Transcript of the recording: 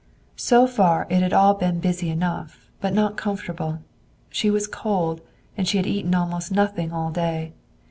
So far it had all been busy enough, but not comfortable. She was cold, and she had eaten almost nothing all day.